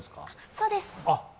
そうです。